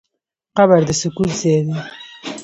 قبر د سکوت ځای دی.